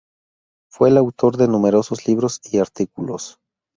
Fue el autor de numerosos libros y artículos.